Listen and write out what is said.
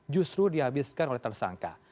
justru dihabiskan oleh tersangka